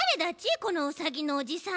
このウサギのおじさん。